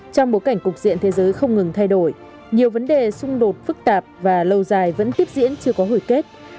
trong bối cảnh cục diện thế giới không ngừng thay đổi nhiều vấn đề xung đột phức tạp và lâu dài vẫn tiếp diễn chưa có hồi kết